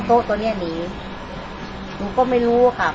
อันโต๊ะตัวเนี้ยหนีหนูก็ไม่รู้ค่ะ